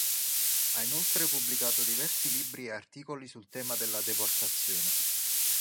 Ha inoltre pubblicato diversi libri e articoli sul tema della deportazione.